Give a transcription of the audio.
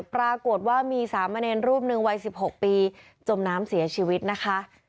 ปรากฏว่ามีสามเณรรูปหนึ่งวัย๑๖ปีจมน้ำเสียชีวิตนะคะ